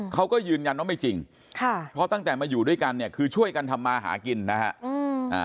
เขาก็ยืนยันว่าไม่จริงค่ะเพราะตั้งแต่มาอยู่ด้วยกันเนี่ยคือช่วยกันทำมาหากินนะฮะ